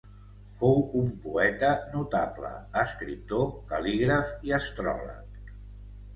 Fou un poeta notable, escriptor, cal·lígraf i astròleg.